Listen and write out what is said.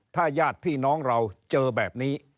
ถ้าญาติพี่น้องเราเจอแบบนี้